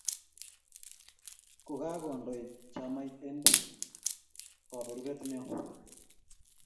kokakondoi chamait eng kaberuret neo